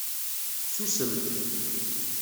Susem.